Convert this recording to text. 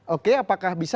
oke apakah bisa